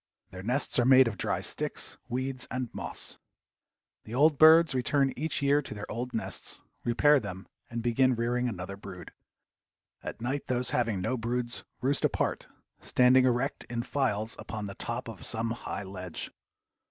Their nests are made of dry sticks, weeds and moss. The old birds return each year to their old nests, repair them and begin rearing another brood. At night those having no broods roost apart, standing erect in files upon the top of some high ledge.